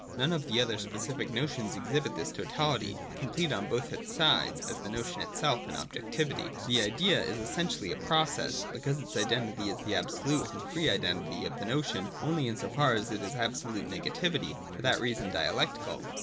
None of the other specific notions exhibits this totality complete on both its sides as the notion itself and objectivity. 215.] The Idea is essentially a process, because its identity is the absolute and free identity of the notion, only in so far as it is absolute negati\ ity and for that reason dialectical.